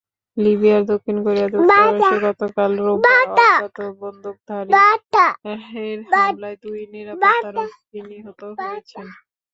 লিবিয়ায় দক্ষিণ কোরিয়ার দূতাবাসে গতকাল রোববার অজ্ঞাত বন্দুকধারীর হামলায় দুই নিরাপত্তারক্ষী নিহত হয়েছেন।